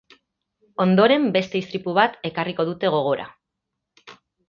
Ondoren, beste istripu bat ekarriko dute gogora.